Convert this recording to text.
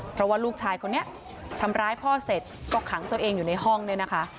เพราะว่าลูกชายคนนี้ทำร้ายพ่อเสร็จก็ขังตัวเองอยู่ในห้องเนี่ยนะคะ